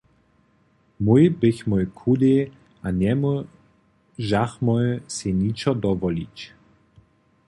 Mój běchmoj chudej a njemóžachmoj sej ničo dowolić.